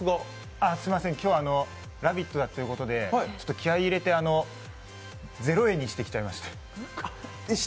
あ、すみません、今日「ラヴィット！」ということで、気合い入れて、ゼロ重にしてきました。